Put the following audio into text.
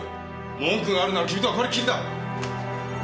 文句があるなら君とはこれっきりだ。